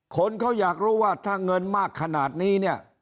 คนเขาอยากรู้ว่าถ้าเงินมากขนาดนี้เนี่ย